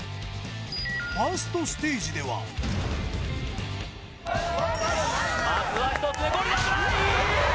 ファーストステージではまずは１つ目ゴリラ危ない！